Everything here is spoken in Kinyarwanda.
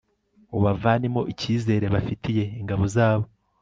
ubavanemo icyizere bafitiye ingabo zabo